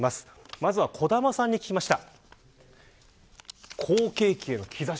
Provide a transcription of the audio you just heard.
まず、小玉さんに聞きました。